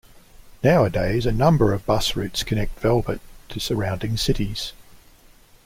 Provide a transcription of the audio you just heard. Nowadays a number of bus routes connect Velbert to the surrounding cities.